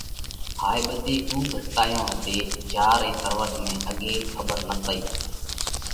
هائي ٻڌي اُو گھٽتايون هتي جيا رئي تروٽ نئہ اڳي کٻر نتئِي۔